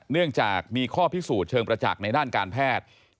เนื่องจากมีข้อพิสูจน์เชิงประจักษ์ในด้านการแพทย์